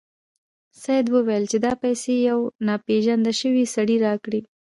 سید وویل چې دا پیسې یو ناپيژندل شوي سړي راکړې.